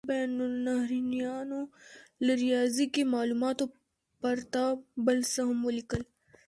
بین النهرینیانو له ریاضیکي مالوماتو پرته بل څه هم ولیکل.